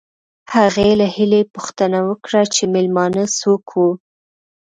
هغې له هیلې پوښتنه وکړه چې مېلمانه څوک وو